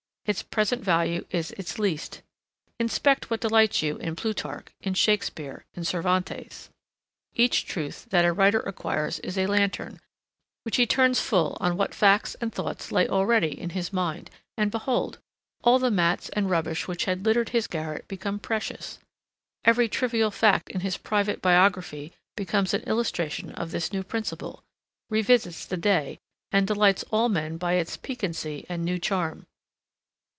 Its present value is its least. Inspect what delights you in Plutarch, in Shakspeare, in Cervantes. Each truth that a writer acquires is a lantern, which he turns full on what facts and thoughts lay already in his mind, and behold, all the mats and rubbish which had littered his garret become precious. Every trivial fact in his private biography becomes an illustration of this new principle, revisits the day, and delights all men by its piquancy and new charm.